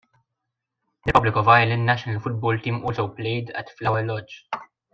The Republic of Ireland national football team also played at Flower Lodge.